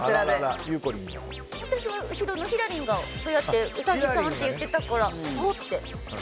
私は後ろのひらりんがそうやってウサギさんって言ってたから。